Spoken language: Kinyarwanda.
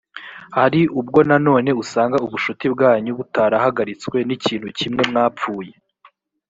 hari ubwo nanone usanga ubucuti bwanyu butarahagaritswe n ikintu kimwe mwapfuye